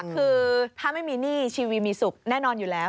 คือถ้าไม่มีหนี้ชีวิตมีสุขแน่นอนอยู่แล้ว